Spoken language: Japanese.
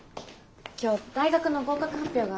今日大学の合格発表があって。